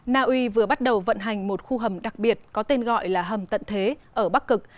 naui vừa bắt đầu vận hành một khu hầm đặc biệt có tên gọi là hầm tận thế ở bắc cực